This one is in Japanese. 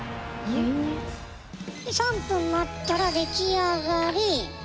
３分待ったらできあがり！